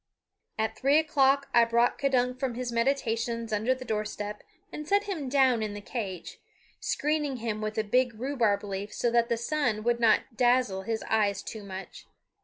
At three o'clock I brought K'dunk from his meditations under the door step and set him down in the cage, screening him with a big rhubarb leaf so that the sun would not dazzle his eyes too much.